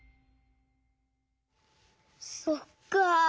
そっか。